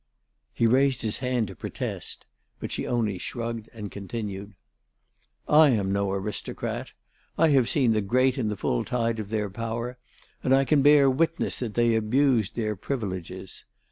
He raised his hand to protest; but she only shrugged and continued: "I am no aristocrat. I have seen the great in the full tide of their power, and I can bear witness that they abused their privileges.